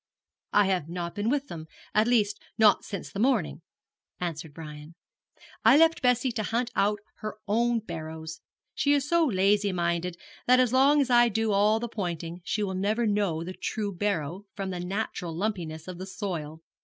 'I have not been with them at least not since the morning, answered Brian. 'I left Bessie to hunt out her own barrows; she is so lazy minded that as long as I do all the pointing she will never know the true barrow from the natural lumpiness of the soil.